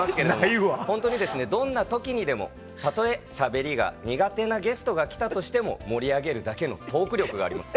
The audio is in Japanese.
ホントにどんな時にでもたとえしゃべりが苦手なゲストが来たとしても盛り上げるだけのトーク力があります。